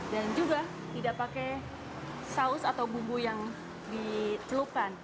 dan juga tidak pakai saus atau bumbu yang ditelupkan